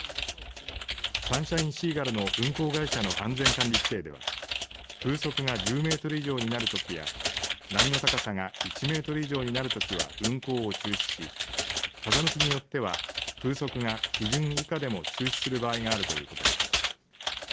サンシャインシーガルの運航会社の安全管理規程では風速が１０メートル以上になるときや波の高さが１メートル以上になるときは運航を中止し、風向きによっては風速が基準以下でも中止する場合があるということです。